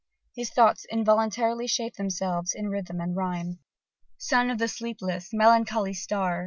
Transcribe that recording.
His thoughts involuntarily shape themselves in rhythm and rhyme; Sun of the sleepless! melancholy star!